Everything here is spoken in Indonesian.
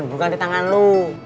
bukan di tangan lu